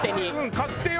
勝手よ。